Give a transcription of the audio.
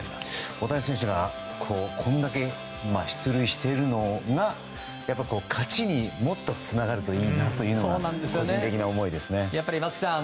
大谷選手がこれだけ出塁しているのが勝ちにもっとつながるといいなというのが松木さん